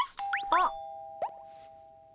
あっ。